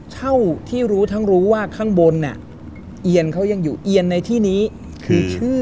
เท่าที่รู้ทั้งรู้ว่าข้างบนเอียนเขายังอยู่เอียนในที่นี้คือชื่อ